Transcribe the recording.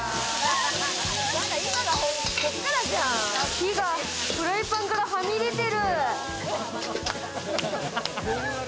火がフライパンからはみ出てる。